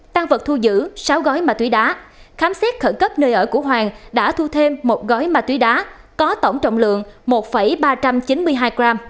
tăng vật thu giữ sáu gói ma túy đá khám xét khẩn cấp nơi ở của hoàng đã thu thêm một gói ma túy đá có tổng trọng lượng một ba trăm chín mươi hai gram